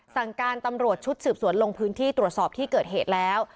สั่งการตำรวจชุดสืบสวนลงพื้นที่ตรวจสอบที่เกิดเหตุแล้ว